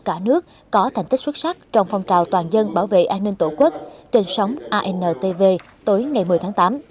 cả nước có thành tích xuất sắc trong phong trào toàn dân bảo vệ an ninh tổ quốc trên sóng antv tối ngày một mươi tháng tám